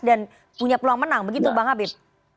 dan punya peluang menang begitu bang habib